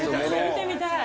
見てみたい